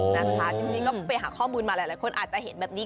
นะคะจริงก็ไปหาข้อมูลมาหลายคนอาจจะเห็นแบบนี้